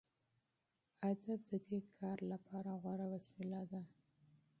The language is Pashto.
ادب د دې کار لپاره غوره وسیله ده.